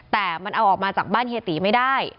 แต่มันเอาออกมาจากบ้านเฮียตีไม่ได้